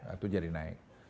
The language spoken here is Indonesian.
itu jadi naik